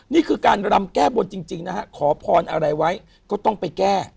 นี่คือการรำแก้บนจริงนะฮะขอพรอะไรไว้ก็ต้องไปแก้